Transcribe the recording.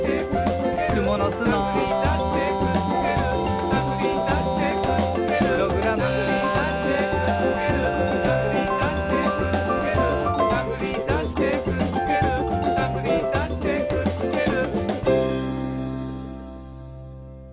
「くものすの」「たぐりだしてくっつける」「たぐりだしてくっつける」「プログラム」「たぐりだしてくっつける」「たぐりだしてくっつける」「たぐりだしてくっつけるたぐりだしてくっつける」